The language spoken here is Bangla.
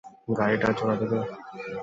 গাড়িটা জোড়া দেবে?